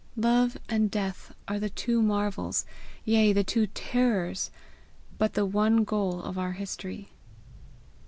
Love and death are the two marvels, yea the two terrors but the one goal of our history.